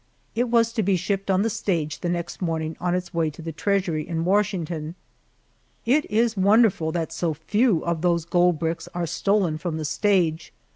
It was to be shipped on the stage the next morning on its way to the treasury in Washington. It is wonderful that so few of those gold bricks are stolen from the stage.